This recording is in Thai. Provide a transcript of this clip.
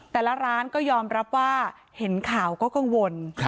แต่ละร้านก็ยอมรับว่าเห็นข่าวก็กังวล